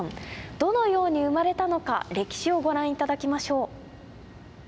どのように生まれたのか歴史をご覧いただきましょう。